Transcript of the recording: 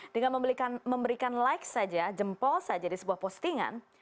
dengan memberikan like saja jempol saja di sebuah postingan